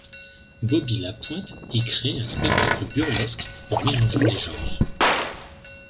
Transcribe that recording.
Boby Lapointe y crée un spectacle burlesque en mélangeant les genres.